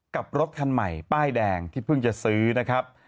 กับรถคันใหม่ป้ายแดงที่เพิ่งจะซื้อนะครับ